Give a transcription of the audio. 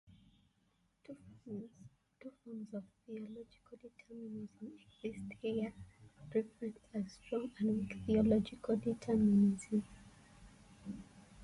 Two forms of theological determinism exist, here referenced as strong and weak theological determinism.